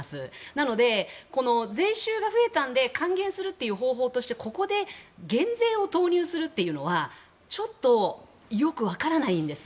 なので、この税収が増えたので還元しますという方法としてここで減税を投入するっていうのはちょっとよくわからないんです。